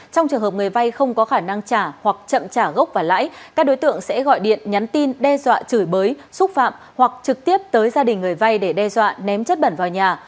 trong trường hợp người vay không có khả năng trả hoặc chậm trả gốc và lãi các đối tượng sẽ gọi điện nhắn tin đe dọa chửi bới xúc phạm hoặc trực tiếp tới gia đình người vay để đe dọa ném chất bẩn vào nhà